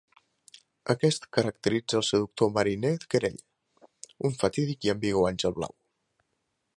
Aquest caracteritza el seductor mariner Querelle, un fatídic i ambigu àngel blau.